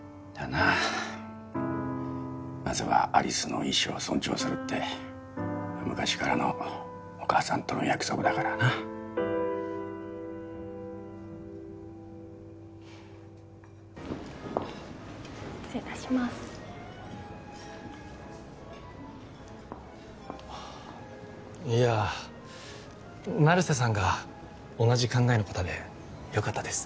なまずは有栖の意思を尊重するって昔からのお母さんとの約束だからな失礼いたしますいや成瀬さんが同じ考えの方でよかったです